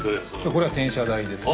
これは転車台ですね。